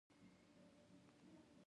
ښځه مور ده